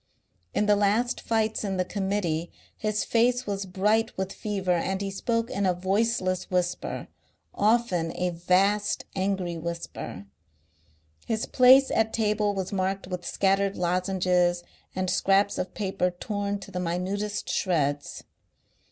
In the last fights in the Committee his face was bright with fever and he spoke in a voiceless whisper, often a vast angry whisper. His place at table was marked with scattered lozenges and scraps of paper torn to the minutest shreds.